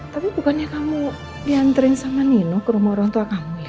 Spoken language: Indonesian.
tapi bukannya kamu dianterin sama nino ke rumah orang tua kamu